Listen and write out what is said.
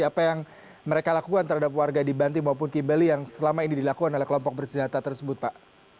apa yang mereka lakukan terhadap warga di banti maupun kibeli yang selama ini dilakukan oleh kelompok bersenjata tersebut pak